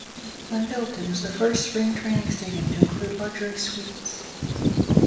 When built, it was the first spring training stadium to include luxury suites.